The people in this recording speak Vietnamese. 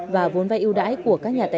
và vốn vai ưu đãi của các nhà tài sản